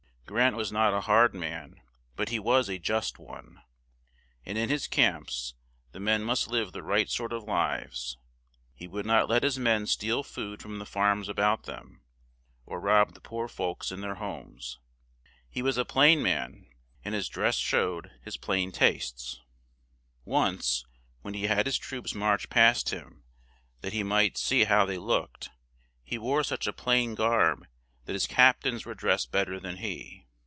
Grant was not a hard man, but he was a just one; and in his camps, the men must live the right sort of lives; he would not let his men steal food from the farms a bout them, or rob the poor folks in their homes. He was a plain man, and his dress showed his plain tastes; once, when he had his troops march past him, that he might see how they looked, he wore such a plain garb that his cap tains were dressed bet ter than he.